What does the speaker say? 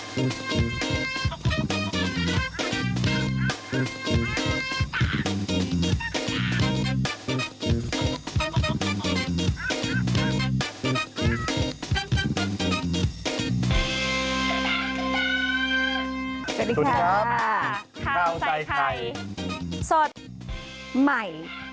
สวัสดีครับค่าใจไทยสดใหม่